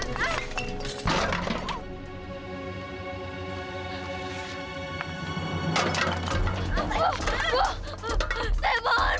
sebarkan bu jangan bu jangan